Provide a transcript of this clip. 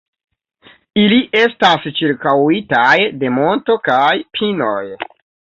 Ili estas ĉirkaŭitaj de monto kaj pinoj.